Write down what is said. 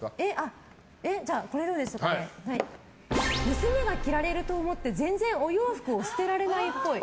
娘が着られると思って全然お洋服を捨てられないっぽい。